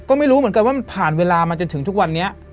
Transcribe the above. ก็ไม่รู้เหมือนกันว่ามันผ่านเวลามาจนถึงทุกวันนี้